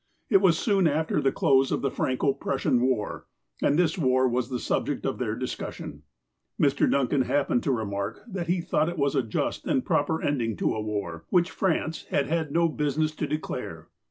It was soon after the close of the Franco Prussian war, and this war was the subject of their discussion. Mr. Duncan happened to remark that he thought it was a just and proper ending of a war, which France had had no business to declare.